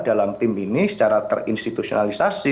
dalam tim ini secara terinstitusionalisasi